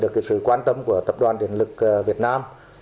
được sự quan tâm của tập đoàn điện lực việt nam